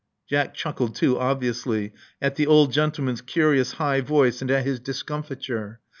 Jack chuckled too obviously, at the old gentleman's curious high voice and at his discomfiture.